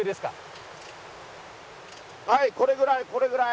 はいこれぐらいこれぐらい。